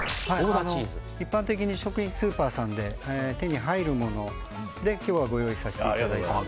一般的に食品スーパーさんで手に入るもので今日はご用意させていただきました。